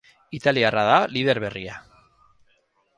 Italiarra da lider berria.